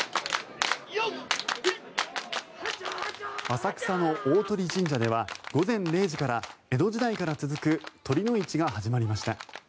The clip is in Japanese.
浅草の鷲神社では午前０時から江戸時代から続く酉の市が始まりました。